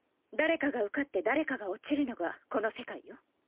誰かが受かって誰かが落ちるのがこの世界よ。